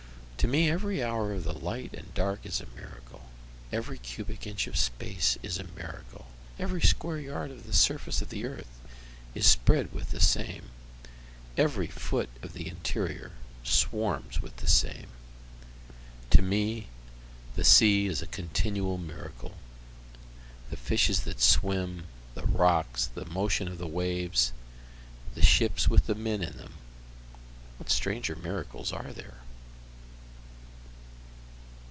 To me every hour of the light and dark is a miracle, Every cubic inch of space is a miracle, Every square yard of the surface of the earth is spread with the same, Every foot of the interior swarms with the same. To me the sea is a continual miracle, The fishes that swim the rocks the motion of the waves the ships with the men in them, What stranger miracles are there?